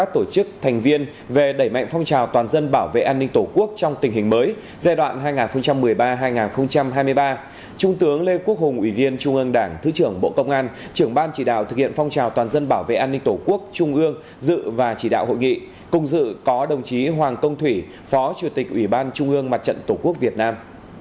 tp hà nội và công an tp hà nội và chúng tướng lê quốc hùng ủy viên trung ương đảng thứ trưởng bộ công an trưởng ban chỉ đạo thực hiện phong trào toàn dân bảo vệ an ninh tổ quốc trung ương dự và chỉ đạo hội nghị công dự có đồng chí hoàng công thủy phó chủ tịch ủy ban trung ương mặt trận tổ quốc việt nam